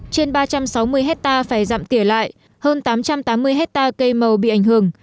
trên ba trăm sáu mươi hecta phải giảm tỉa lại hơn tám trăm tám mươi hecta cây màu bị ảnh hưởng